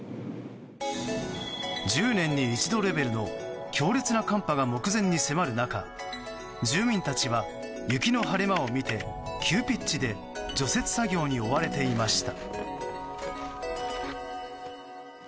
１０年に一度レベルの強烈な寒波が目前に迫る中住民たちは雪の晴れ間を見て急ピッチで除雪作業に追われていました。